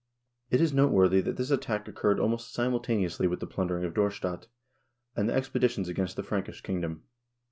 It is noteworthy that this attack occurred almost simultaneously with the plundering of Dorstadt, and the expeditions against the Frank ish kingdom.